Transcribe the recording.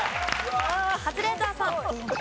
カズレーザーさん。